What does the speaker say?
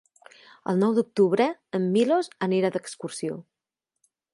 El nou d'octubre en Milos anirà d'excursió.